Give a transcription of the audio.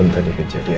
ngantuk ya wajarlah